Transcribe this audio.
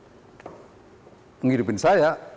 kalau penghidupin saya